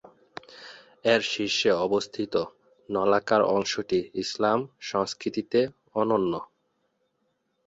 এর শীর্ষে অবস্থিত নলাকার অংশটি ইসলাম সংস্কৃতিতে অনন্য।